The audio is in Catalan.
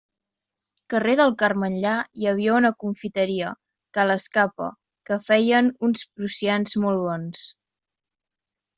Carrer del Carme enllà hi havia una confiteria, ca l'Escapa, que feien uns prussians molt bons.